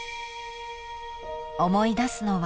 ［思い出すのは］